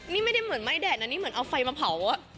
นี่ไม่ได้เหมือนไหม้แดดนะนี่เหมือนเอาไฟมาเผา